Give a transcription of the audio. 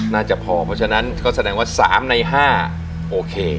น่าจะพอเพราะฉะนั้นก็แสดงว่า๓ใน๕โอเค